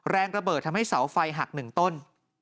แรงระเบิดทำให้เสาไฟหัก๑ต้น